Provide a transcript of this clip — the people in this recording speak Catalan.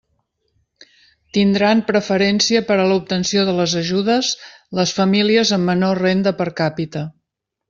Tindran preferència per a l'obtenció de les ajudes les famílies amb menor renda per càpita.